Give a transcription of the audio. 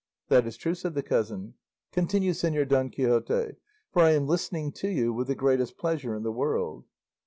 "That is true," said the cousin; "continue, Señor Don Quixote, for I am listening to you with the greatest pleasure in the world."